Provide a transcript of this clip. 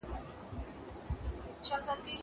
زه به د کتابتوننۍ سره خبري کړي وي.